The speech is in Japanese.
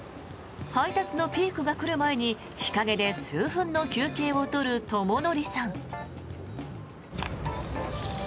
配達のピークが来る前に日陰で数分の休憩を取るＴＯＭＯＮＯＲＩさん。